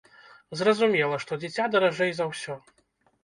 Зразумела, што дзіця даражэй за ўсё.